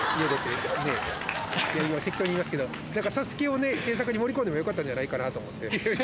今適当に言いますけど『ＳＡＳＵＫＥ』を政策に盛り込んでもよかったんじゃないかなと思って。